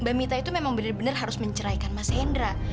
mbak mita itu memang bener bener harus menceraikan mas hendra